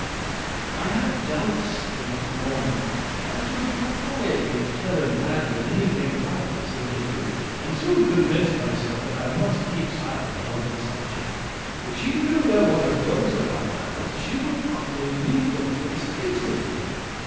I had doubts the next morning as to the propriety of telling Madeline anything about this interview, and soon convinced myself that I must keep silent on the subject. If she knew there was a ghost about the house, she would probably leave the place instantly.